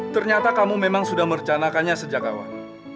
ternyata kamu memang sudah merencanakannya sejak awal